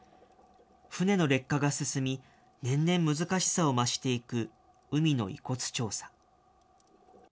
船の劣化が進み、年々難しさを増していく海の遺骨調査。